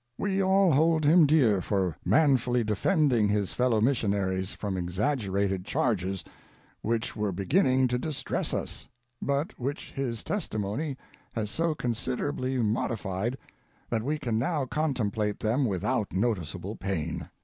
We all hold him dear for manfully defending his fel low missionaries from exaggerated charges which were beginning to distress us, but which his testimony has so considerably modi fied that we can now contemplate them without noticeable pain.